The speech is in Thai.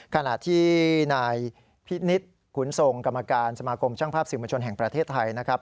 ขณะที่นายพินิษฐ์ขุนทรงกรรมการสมาคมช่างภาพสื่อมวลชนแห่งประเทศไทยนะครับ